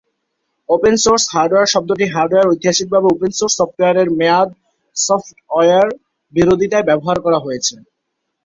Open source hardware শব্দটি "hardware" ঐতিহাসিকভাবে open source software এর মেয়াদ "সফ্টওয়্যার" বিরোধিতায় ব্যবহার করা হয়েছে।